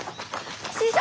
師匠！